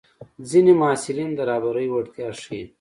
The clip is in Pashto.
ځینې محصلین د رهبرۍ وړتیا ښيي.